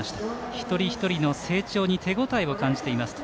一人一人の成長に手応えを感じていますと。